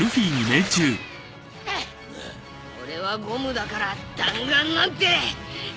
俺はゴムだから弾丸なんて効かねえ！